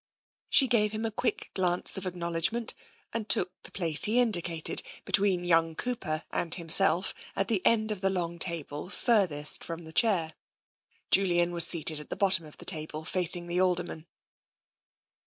She gave him a quick glance of acknowledgment and took the place that he indicated, between young Cooper and TENSION 93 himself at the end of the long table furthest from the chair. Julian was seated at the bottom of the table, facing the Alderman.